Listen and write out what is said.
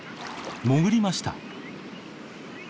潜りました。